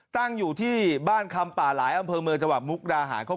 ตั้งอยู่ที่บ้านคำป่าหลายอำเภอเมืองจังหวัดมุกดาหาร